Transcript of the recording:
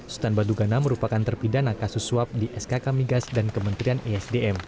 sutan badugana merupakan terpidana kasus swab di sk kamigas dan kementerian isdm